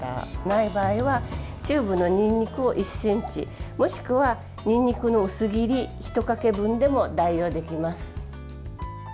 ない場合はチューブのにんにくを１ｃｍもしくは、にんにくの薄切りひとかけ分でも代用できます。